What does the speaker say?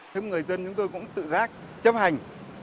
thế người dân chúng tôi cũng tự giác chấp hành